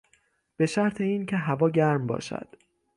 به شرط این که هوا گرم باشد